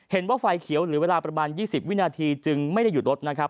เห็นว่าไฟเขียวเหลือเวลาประมาณ๒๐วินาทีจึงไม่ได้หยุดรถนะครับ